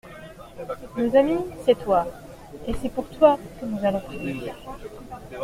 Nos amis, c'est toi, et c'est pour toi que nous allons prier.